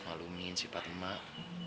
mengalami sifat emak